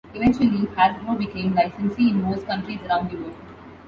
Eventually, Hasbro became licensee in most countries around the world.